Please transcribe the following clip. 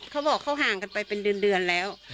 เขาบอกเขาห่างกันไปเป็นเดือนแล้ว